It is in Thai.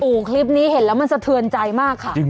โอ้โหคลิปนี้เห็นแล้วมันสะเทือนใจมากค่ะ